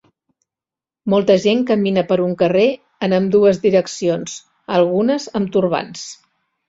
Molta gent camina per un carrer en ambdues direccions, algunes amb turbants